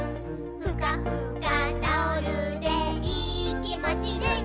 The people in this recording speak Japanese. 「ふかふかタオルでいーきもちルンルン」